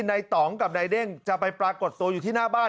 ต่องกับนายเด้งจะไปปรากฏตัวอยู่ที่หน้าบ้าน